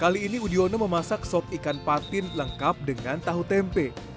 kali ini udiono memasak sop ikan patin lengkap dengan tahu tempe